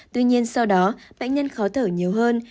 tuy nhiên sau đó bệnh nhân khó thở nhiều hơn